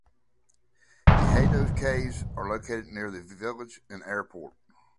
The Hato Caves are located near the village and airport.